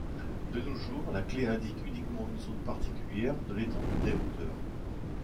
De nos jours, la clef indique uniquement une zone particulière de l’étendue des hauteurs.